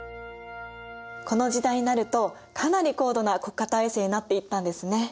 この時代になるとかなり高度な国家体制になっていったんですね。